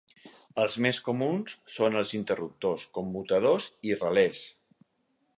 Els més comuns són els interruptors, commutadors i relés.